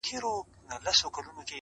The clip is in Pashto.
سي خوراک د توتکیو د مرغانو.!